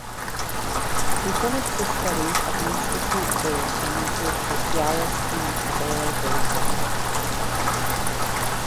He finished his studies at the Institut des sciences sociales du travail de Paris.